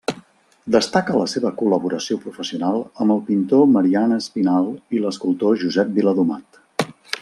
Destaca la seva col·laboració professional amb el pintor Marian Espinal i l’escultor Josep Viladomat.